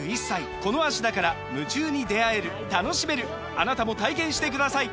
あなたも体験してください！